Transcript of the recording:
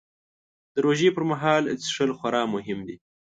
د روژې پر مهال څښل خورا مهم دي